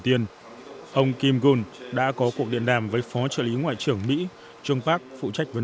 tiên ông kim gun đã có cuộc điện đàm với phó trợ lý ngoại trưởng mỹ joe park phụ trách vấn